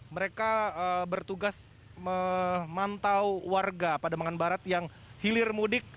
mereka bertugas memantau warga pademangan barat yang hilir mudik